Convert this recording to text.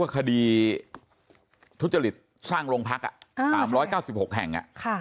คดีทุจริตสร้างโรงพัก๓๙๖แห่ง